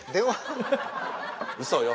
うそよ。